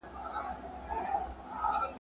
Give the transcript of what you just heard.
له آمو تر ګل سرخه هر لوېشت مي شالمار کې ,